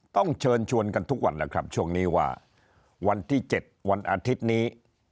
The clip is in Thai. ต้องเชิญชวนกันทุกวันแล้วครับช่วงนี้ว่าวันที่๗วันอาทิตย์นี้